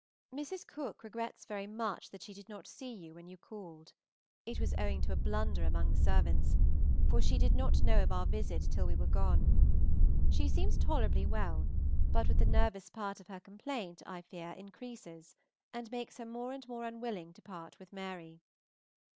Mrs. Cooke regrets very much that she did not see you when you called; it was owing to a blunder among the servants, for she did not know of our visit till we were gone. She seems tolerably well, but the nervous part of her complaint, I fear, increases, and makes her more and more unwilling to part with Mary.